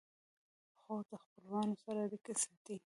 خور د خپلوانو سره اړیکې ساتي.